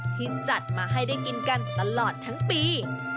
ที่จัดมาให้ได้กินกันตลอดทั้งปี